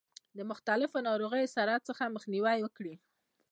د مختلفو ناروغیو د سرایت څخه مخنیوی وکړي.